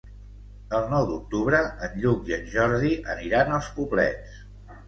El nou d'octubre en Lluc i en Jordi aniran als Poblets.